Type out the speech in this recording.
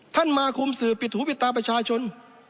มาคุมสื่อปิดหูปิดตาประชาชน